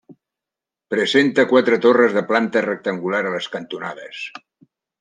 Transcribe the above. Presenta quatre torres de planta rectangular a les cantonades.